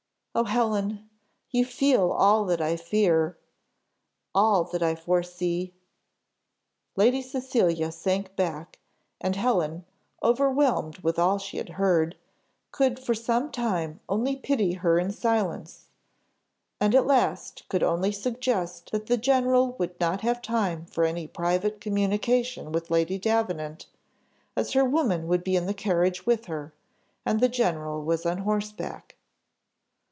Oh, Helen! you feel all that I fear all that I foresee." Lady Cecilia sank back, and Helen, overwhelmed with all she had heard, could for some time only pity her in silence; and at last could only suggest that the general would not have time for any private communication with Lady Davenant, as her woman would be in the carriage with her, and the general was on horseback.